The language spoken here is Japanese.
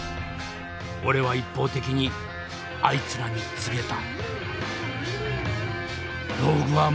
俺は一方的にあいつらに告げた。